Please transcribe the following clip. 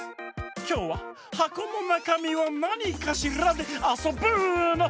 きょうは「はこのなかみはなにかしら？」であそぶの！